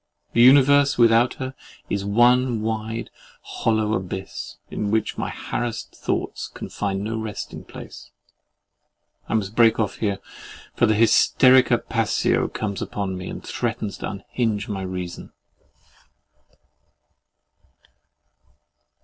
The universe without her is one wide, hollow abyss, in which my harassed thoughts can find no resting place. I must break off here; for the hysterica passio comes upon me, and threatens to unhinge my reason.